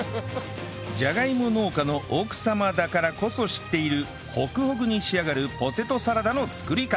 じゃがいも農家の奥様だからこそ知っているホクホクに仕上がるポテトサラダの作り方